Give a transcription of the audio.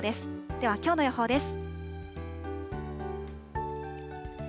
では、きょうの予報です。